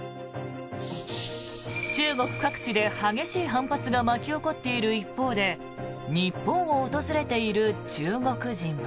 中国各地で激しい反発が巻き起こっている一方で日本を訪れている中国人は。